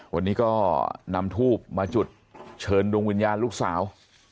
วันนี้ก็นำทูบมาจุดเชิญดวงวิญญาณลูกสาว